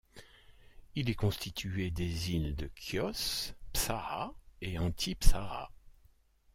Il est constiué des îles de Chios, Psara et Antipsara.